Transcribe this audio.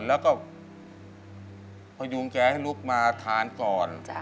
แล้วก็พยุงแกให้ลุกมาทานก่อน